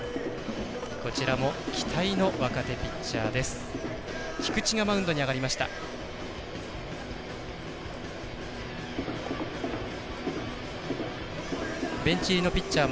こちらも期待の若手ピッチャー。